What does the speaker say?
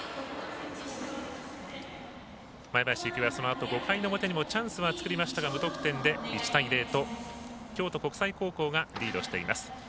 前橋育英はそのあと５回の表にもチャンスは作りましたが無得点で１対０と京都国際高校がリードしています。